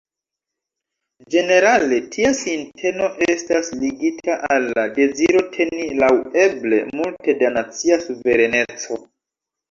Ĝenerale tia sinteno estas ligita al la deziro teni laŭeble multe da nacia suvereneco.